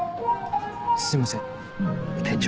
すいません店長。